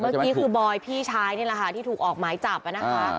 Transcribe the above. เมื่อกี้คือบอยพี่ชายนี่แหละค่ะที่ถูกออกหมายจับนะคะ